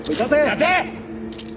立て！